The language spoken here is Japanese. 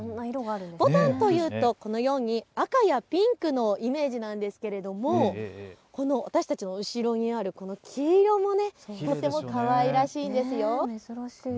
ぼたんというとこのように赤やピンクのイメージなんですけれども私たちの後ろにあるこの黄色もとってもかわいらしいですよ。